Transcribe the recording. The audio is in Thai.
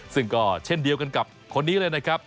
ซึ่งก็เช่นเดียวกันกับคนนี้เลยนะครับ